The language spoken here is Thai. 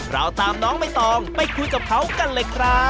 เราตามน้องใบตองไปคุยกับเขากันเลยครับ